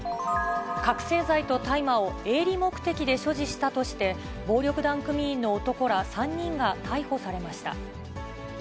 覚醒剤と大麻を営利目的で所持したとして、暴力団組員の男ら３人が逮捕されました。